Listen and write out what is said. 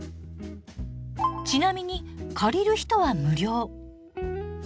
ちなみに借りる人は無料。